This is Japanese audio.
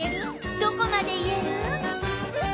どこまで言える？